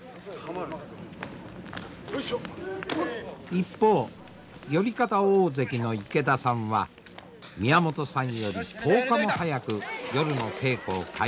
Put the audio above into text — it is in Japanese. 一方寄方大関の池田さんは宮本さんより１０日も早く夜の稽古を開始しました。